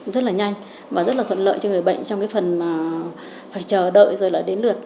rất là nhanh và rất là thuận lợi cho người bệnh trong cái phần mà phải chờ đợi rồi lại đến lượt